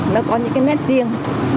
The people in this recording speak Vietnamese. nó có những nét riêng